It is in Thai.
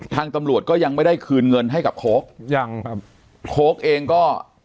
ทางตำรวจก็ยังไม่ได้คืนเงินให้กับโค้กยังครับโค้กเองก็